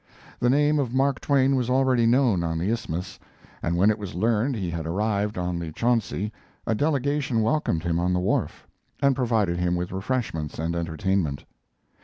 The name of Mark Twain was already known on the isthmus, and when it was learned he had arrived on the Chauncey a delegation welcomed him on the wharf, and provided him with refreshments and entertainment.